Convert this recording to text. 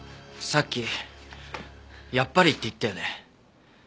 さっきやっぱりって言ったよね？